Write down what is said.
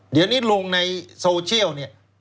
เดี๋ยวนี้ลงในโซเชียลเนี่ย